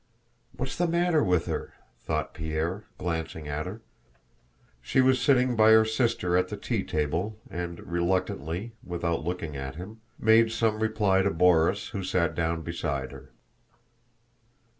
"What's the matter with her?" thought Pierre, glancing at her. She was sitting by her sister at the tea table, and reluctantly, without looking at him, made some reply to Borís who sat down beside her.